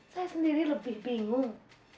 saya sendiri lebih bingung